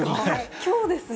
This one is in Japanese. きょうですね。